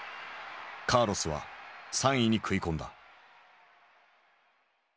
カーロスは３位に食い込んだ。